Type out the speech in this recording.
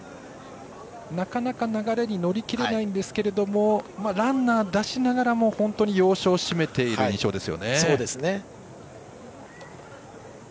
なかなか流れに乗りきれないんですがランナー出しながらも本当に要所を締めている印象です。